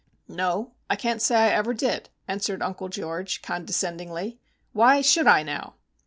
"No; I can't say I ever did," answered Uncle George, condescendingly. "Why should I, now?"